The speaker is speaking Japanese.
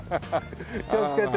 気をつけて。